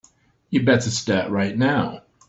You'd better start right now.